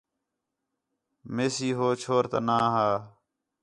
مینسی ہو چھور تا ناں ہا